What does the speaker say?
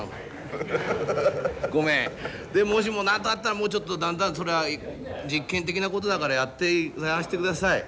ごめんでももしも何かあったらもうちょっとだんだんそれは実験的なことだからやらしてください。